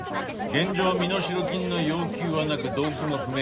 現状身代金の要求はなく動機も不明。